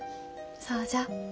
そうじゃ。